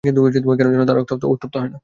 কিন্তু কেন যেন তার রক্ত উত্তপ্ত হয় না।